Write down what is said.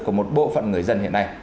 của một bộ phận người dân hiện nay